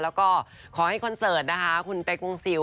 แล้วก็ขอให้คอนเสิร์ตคุณเป๊กองสิว